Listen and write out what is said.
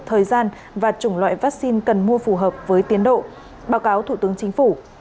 thời gian và chủng loại vaccine cần mua phù hợp với tiến độ báo cáo thủ tướng chính phủ